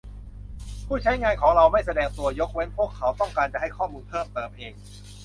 ผู้ใช้งานของเราไม่แสดงตัว ยกเว้นพวกเขาต้องการจะให้ข้อมูลเพิ่มเติมเอง